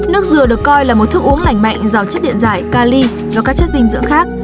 nước dừa được coi là một thức uống lành mạnh giàu chất điện giải ca ly và các chất dinh dưỡng khác